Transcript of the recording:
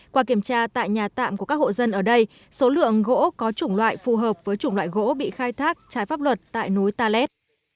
qua kiểm tra tại nhà tạm của các hộ dân ở đây số lượng gỗ có chủng loại phù hợp với chủng loại gỗ bị khai thác trái pháp luật tại núi ta lét